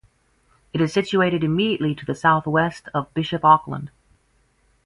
It is situated immediately to the south-west of Bishop Auckland.